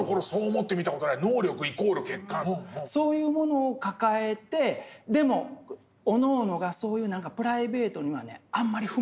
そういうものを抱えてでもおのおのがそういう何かプライベートにはねあんまり踏み込まないの。